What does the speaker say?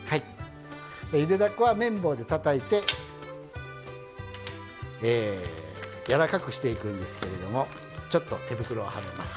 ゆでだこは麺棒でたたいてえやわらかくしていくんですけれどもちょっと手袋をはめます。